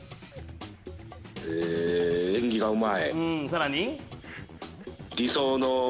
さらに？